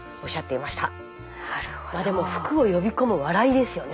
まあでも福を呼び込む笑いですよね。